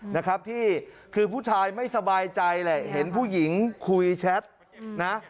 นะครับที่คือผู้ชายไม่สบายใจแหละเห็นผู้หญิงคุยแชทนะ